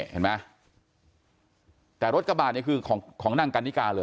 เห็นมั้ยแต่รถกระบาดคือของนั่งกันนิกาเลย